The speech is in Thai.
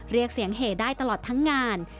เรียกเสียงเหได้ตลอดทั้งงาน